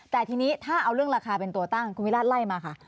แต่ทีนี้ถ้าเอาเรื่องราคาเป็นตัวตั้งคุณวิราชไล่มาค่ะ